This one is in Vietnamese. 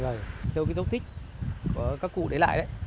rồi theo cái dấu tích của các cụ đấy lại đấy